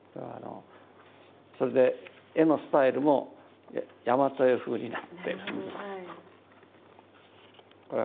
それで絵のスタイルも大和絵風になってるんです。